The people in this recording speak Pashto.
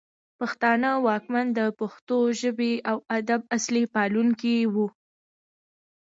پښتانه واکمن د پښتو ژبې او ادب اصلي پالونکي وو